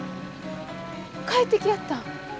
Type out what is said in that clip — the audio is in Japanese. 帰ってきやったん？